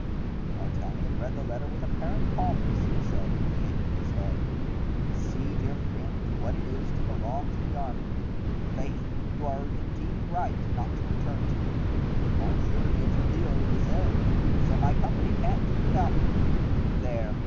D'Artagnan read the letter with apparent calmness and said, shaking his head: "See, dear friend, what it is to belong to the army. Faith, you are indeed right not to return to it. Monsieur de Tréville is ill, so my company can't do without me; there!